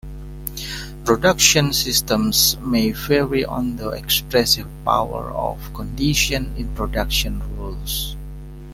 Production systems may vary on the expressive power of conditions in production rules.